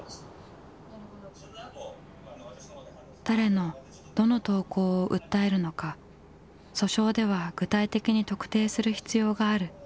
誰のどの投稿を訴えるのか訴訟では具体的に特定する必要がある。